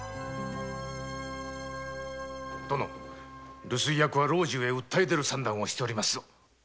・殿留守居役は老中へ訴え出る算段をしておりますぞ。